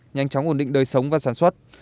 nhanh chóng ổn định đời sống và sản xuất